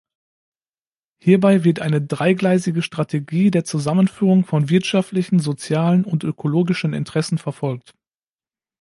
Hierbei wird eine dreigleisige Strategie der Zusammenführung von wirtschaftlichen, sozialen und ökologischen Interessen verfolgt.